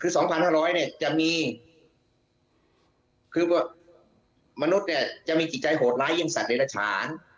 คือ๒๕๐๐เนี่ยจะมีคือว่ามนุษย์เนี่ยจะมีจิตใจโหดร้ายยิ่งสัตว์เดรฐาน